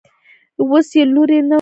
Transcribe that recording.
اوس یې لوری نه رامعلومېږي.